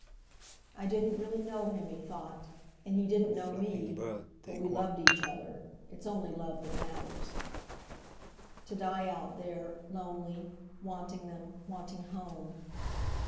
"I didn't really know him," he thought, "and he didn't know me; but we loved each other. It's only love that matters." To die out there—lonely—wanting them—wanting home!